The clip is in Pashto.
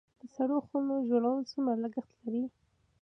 د سړو خونو جوړول څومره لګښت لري؟